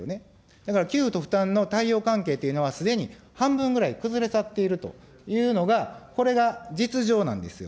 だから、給付と負担のたいおう関係というのは、すでに、半分ぐらい崩れ去っているというのが、これが実情なんですよ。